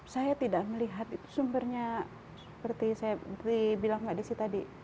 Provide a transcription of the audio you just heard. saya tidak melihat itu sumbernya seperti saya bilang mbak desi tadi